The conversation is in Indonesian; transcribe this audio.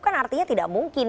kan artinya tidak mungkin